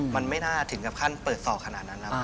มันไม่น่าถึงกับขั้นเปิดต่อขนาดนั้นนะ